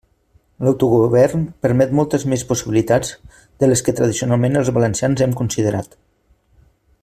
L'autogovern permet moltes més possibilitats de les que tradicionalment els valencians hem considerat.